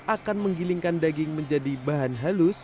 akan menggilingkan daging menjadi bahan halus